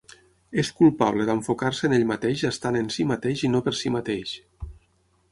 És culpable d'enfocar-se en ell mateix estant en sí mateix i no per sí mateix.